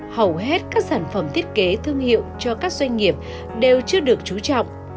hầu hết các sản phẩm thiết kế thương hiệu cho các doanh nghiệp đều chưa được trú trọng